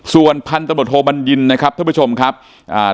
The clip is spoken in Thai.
ส่วนพันตำรวจโทบัญญินนะครับท่านผู้ชมครับอ่า